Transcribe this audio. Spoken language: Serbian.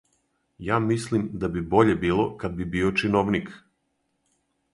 Ја мислим да би боље било кад би био чиновник!